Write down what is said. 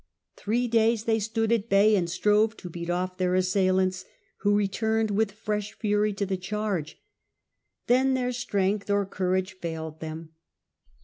Three days they stood at bay and strove to beat off their assailants, who returned with fresh fury and loss of charge. Then their strength or courage Varus, with failed them.